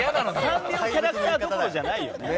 サンリオキャラクターどころじゃないよ。